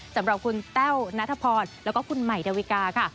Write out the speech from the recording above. สำหรับคุณแต้วนัทพรแล้วก็คุณใหม่ดาวิกาค่ะ